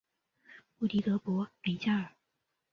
布迪德博雷加尔。